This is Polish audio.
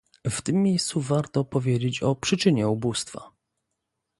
W tym miejscu warto powiedzieć o przyczynie ubóstwa